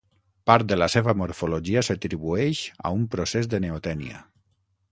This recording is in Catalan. Part de la seva morfologia s'atribueix a un procés de neotènia.